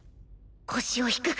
腰を低く！